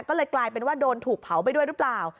ก็เลยกลายเป็นว่าโดนถูกเผาไปด้วยหรือเปล่า